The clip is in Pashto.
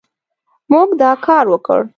موږ دا کار وکړ